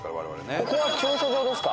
ここは駐車場ですか？